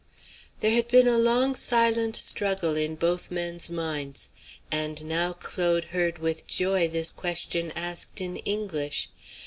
There had been a long, silent struggle in both men's minds. And now Claude heard with joy this question asked in English.